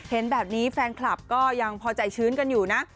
เห็นแบบนี้แฟนคลับก็ยังพอใจชื้นกันอยู่นะ